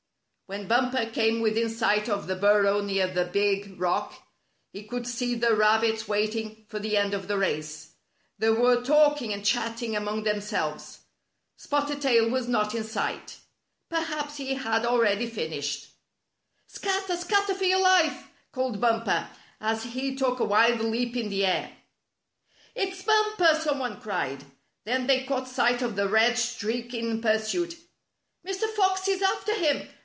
When Bumper came within sight of the bur row near the big rock, he could see the rabbits waiting for the end of the race. They were talk ing and chatting among themselves. Spotted Tail was not in sight. Perhaps he had already finished. "Scatter! Scatter for your life!" called Bumper, as he took a wild leap in the air. "It's Bumper!" some one cried. Then they caught sight of the red streak in pursuit. " Mr. Fox is after him!